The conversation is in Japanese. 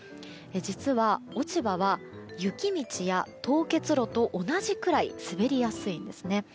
実は、落ち葉は雪道や凍結路と同じくらい滑りやすいんですね。